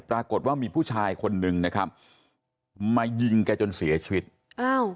ปรากฏว่ามีผู้ชายคนนึงนะครับมายิงแกจนเสียชีวิตอ้าว